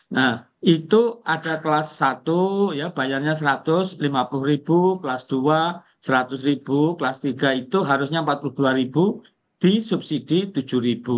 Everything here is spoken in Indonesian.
nah itu ada kelas satu ya bayarnya rp satu ratus lima puluh kelas dua seratus ribu kelas tiga itu harusnya rp empat puluh dua di subsidi rp tujuh